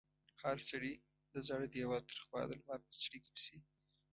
هر سړي د زاړه دېوال تر خوا د لمر په څړیکې پسې.